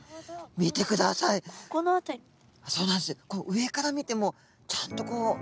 上から見てもちゃんとこう。